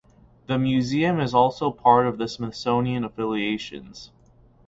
The museum is also a part of the Smithsonian Affiliations.